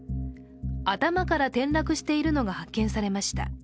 頭から転落しているのが発見されました。